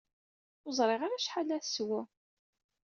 Ur ẓriɣ ara acḥal ara teswu.